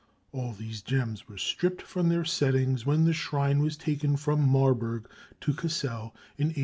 All these gems were stripped from their settings when the shrine was taken from Marburg to Cassel in 1810.